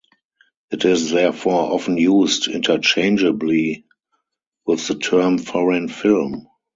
It is therefore often used interchangeably with the term foreign film.